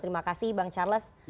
terima kasih bang charles